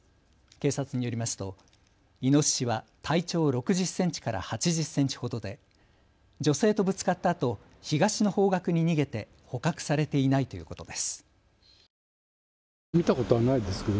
警察によりますとイノシシは体長６０センチから８０センチほどで女性とぶつかったあと東の方角に逃げて捕獲されていないということです。